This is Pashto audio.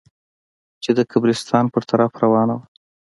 چې د قبرستان په طرف روانه وه.